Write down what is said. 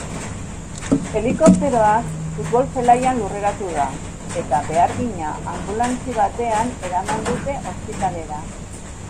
Helikopteroak futbol-zelaian lurreratu da, eta behargina anbulantzi batean eraman dute ospitalera.